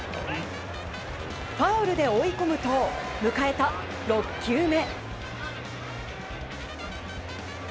ファウルで追い込むと迎えた６球目。